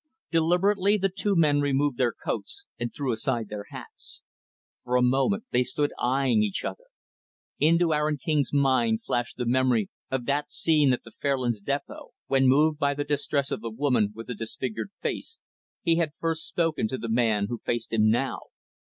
Deliberately, the two men removed their coats and threw aside their hats. For a moment they stood eyeing each other. Into Aaron King's mind flashed the memory of that scene at the Fairlands depot, when, moved by the distress of the woman with the disfigured face, he had first spoken to the man who faced him now.